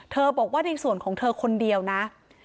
บอกว่าในส่วนของเธอคนเดียวนะ